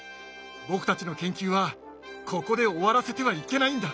僕たちの研究はここで終わらせてはいけないんだ。